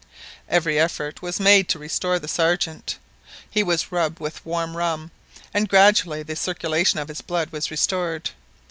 Every effort was made to restore the Sergeant. He was rubbed with warm rum, and gradually the circulation of his blood was restored.